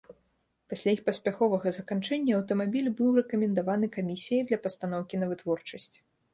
Пасля іх паспяховага заканчэння, аўтамабіль быў рэкамендаваны камісіяй для пастаноўкі на вытворчасць.